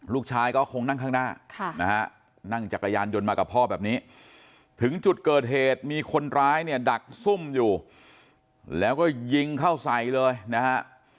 ลูกชายก็คงนั่งข้างหน้านะฮะนั่งจักรยานยนต์มากับพ่อแบบนี้ถึงจุดเกิดเหตุมีคนร้ายเนี่ยดักซุ่มอยู่แล้วก็ยิงเข้าใส่เลยนะฮะ